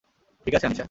ঠিক আছে, আনিশা।